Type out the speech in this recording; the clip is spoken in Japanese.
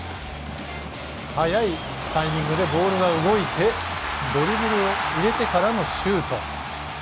早いタイミングでボールが動いてドリブルを入れてからのシュート。